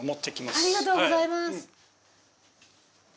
ありがとうございます。